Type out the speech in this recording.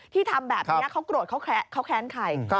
ที่ทำแบบนี้เขากรดเขาแคะนใคร